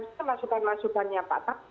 kita masukan masukannya patah